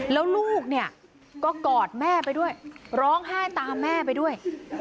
แล้วลูกเนี่ยก็กอดแม่ไปด้วยร้องไห้ตามแม่ไปด้วย